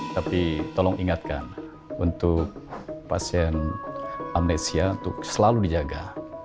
tapi tolong ingatkan untuk pasien amnesia untuk selalu dijaga